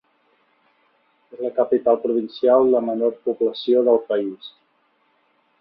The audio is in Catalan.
És la capital provincial de menor població del país.